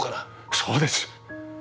そうです。